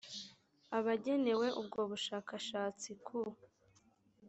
abagenewe ubwo bushakashatsi ku